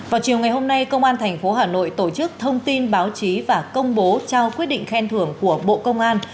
vào chiều ngày hôm nay công an tp hà nội tổ chức thông tin báo chí và công bố trao quyết định khen thưởng của bộ công an